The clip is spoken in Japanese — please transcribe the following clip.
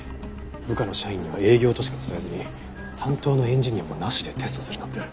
部下の社員には営業としか伝えずに担当のエンジニアもなしでテストするなんて。